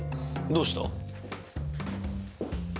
どうした？